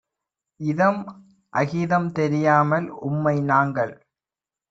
இதம்அகிதம் தெரியாமல் உம்மை நாங்கள்